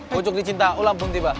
kucuk dicinta ulang belum tiba